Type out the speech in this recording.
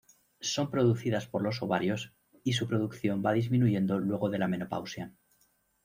Son producidas por los ovarios, y su producción va disminuyendo luego de la menopausia.